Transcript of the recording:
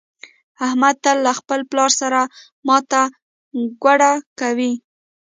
احمد تل له خپل پلار سره ماته ګوډه کوي.